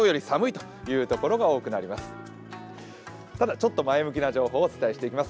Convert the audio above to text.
ちょっと前向きな情報をお伝えしていきます。